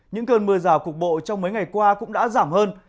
những cơn mưa rào cục bộ trong mấy ngày qua cũng đã giảm hơn